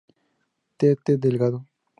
Tte. Delgado.